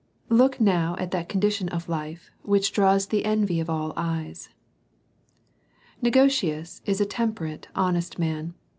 Look now at the condition of life whicli draws the envy of all eyes. Negotius is a temperate, honest man.